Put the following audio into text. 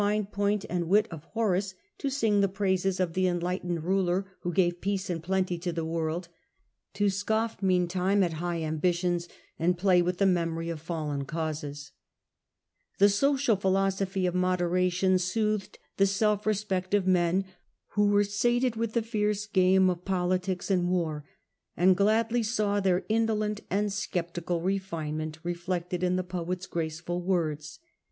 1 • r T T • 1 ^ hne point and wit of Horace to sing the patron, praises of the enlightened ruler who gave Horace, peace and plenty to the world, to scoff meantime at high ambitions, and play with the memory of fallen causes. The social philosophy of moderation soothed the self respect of men who were sated with the fierce game of politics and war, and gladly saw their indolent and sceptical refinement reflected in the poet^s graceful words.